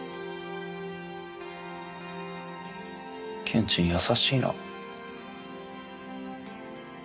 ケンチン優しいな。